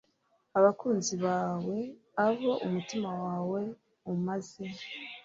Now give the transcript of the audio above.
abakunzi bawe abo umutima wawe umaze